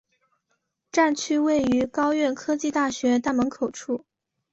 站区位于高苑科技大学大门口处。